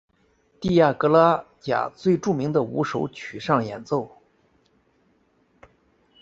蒂亚格拉贾最著名的五首曲上演奏。